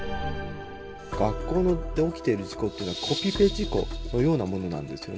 学校で起きている事故っていうのはコピペ事故のようなものなんですよね。